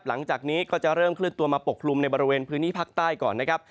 หลังจากนี้ก็จะเริ่มเคลื่อนตัวมาปกคลุมในบริเวณพื้นที่ภาคใต้ก่อนนะครับ